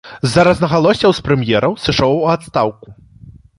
З-за рознагалоссяў з прэм'ерам сышоў у адстаўку.